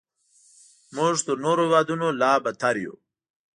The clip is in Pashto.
موږ تر نورو هیوادونو لا بدتر یو.